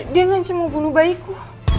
dia ngancem mau bunuh bayiku